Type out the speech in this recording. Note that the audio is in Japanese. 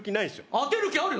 当てる気あるよ。